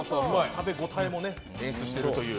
食べ応えも演出していると。